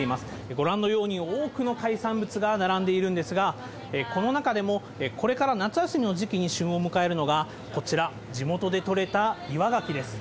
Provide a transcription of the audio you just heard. ご覧のように、多くの海産物が並んでいるんですが、この中でもこれから夏休みの時期に旬を迎えるのが、こちら、地元で取れた岩ガキです。